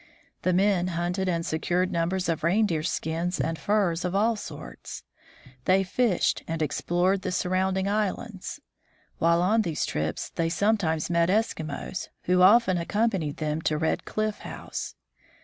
The men hunted, and secured numbers of reindeer skins and furs of all sorts. They fished, and explored the sur rounding islands. While on these trips they sometimes met Eskimos, who often accompanied them to Red Cliff House.